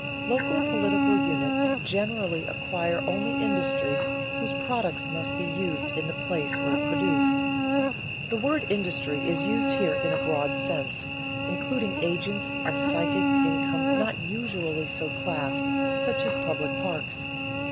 Local political units generally acquire only industries whose products must be used in the place where produced. The word industry is used here in a broad sense, including agents of psychic income not usually so classed, such as public parks.